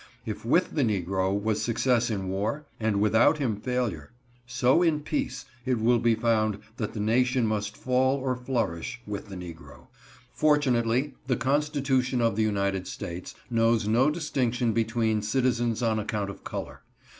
If with the negro was success in war, and without him failure, so in peace it will be found that the nation must fall or flourish with the negro. Fortunately, the Constitution of the United States knows no distinction between citizens on account of color.